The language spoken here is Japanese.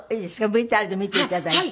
ＶＴＲで見て頂いて。